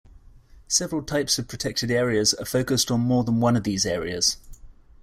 Several types of protected areas are focused on more than one of these areas.